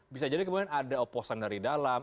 bisa jadi kemudian ada oposan dari dalam